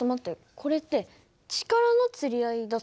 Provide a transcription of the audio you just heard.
これって力のつり合いだったでしょ。